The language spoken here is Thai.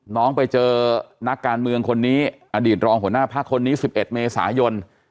น้องไปเจอนักการเมืองคนนี้อดีตรองหัวหน้าพักคนนี้๑๑เมษายน